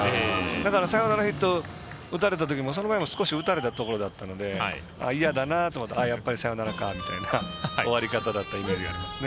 だからサヨナラヒット打たれたときその前も少し打たれたところだったので嫌だなと思いながらやっぱりサヨナラかみたいなイメージがあります。